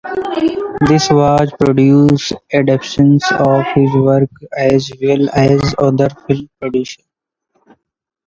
This was to produce adaptations of his works as well as other film productions.